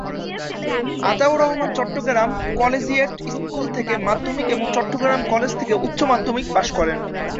Ataur Rahman Chittagong collegiate school থেকে মাধ্যমিক এবং চট্টগ্রাম কলেজ থেকে উচ্চ মাধ্যমিক পাস করেন।